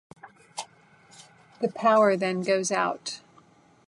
The power then goes out.